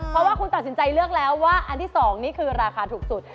เพราะว่าคุณตัดสินใจเลือกแล้วว่าอันที่๒นี่คือราคาถูกสุด